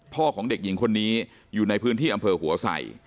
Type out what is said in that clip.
ของเด็กหญิงคนนี้อยู่ในพื้นที่อำเภอหัวใส่